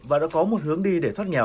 và đã có một hướng đi để thoát nghèo